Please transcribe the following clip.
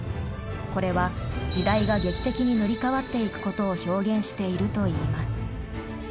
これは時代が劇的に塗り変わっていくことを表現しているといいます。